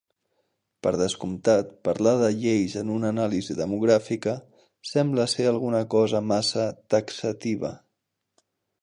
Per descomptat, parlar de lleis en una anàlisi demogràfica sembla ser alguna cosa massa taxativa.